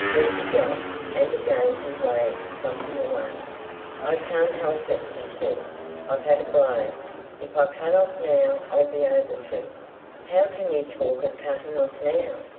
Reggie gulped, and again he waved something away. "I can't help it," he said, "I've had a blow. If I cut off now, I'll be able to—" "How can you talk of cutting off now?"